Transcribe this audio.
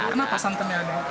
kenapa santannya enak